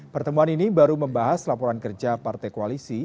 pertemuan ini baru membahas laporan kerja partai koalisi